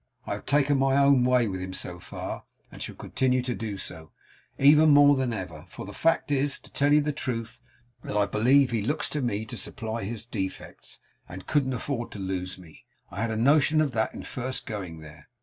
I have taken my own way with him so far, and shall continue to do so, even more than ever; for the fact is, to tell you the truth, that I believe he looks to me to supply his defects, and couldn't afford to lose me. I had a notion of that in first going there.